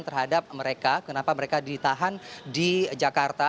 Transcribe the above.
terhadap mereka kenapa mereka ditahan di jakarta